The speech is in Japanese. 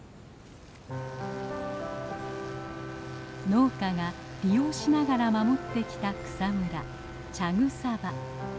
農家が利用しながら守ってきた草むら茶草場。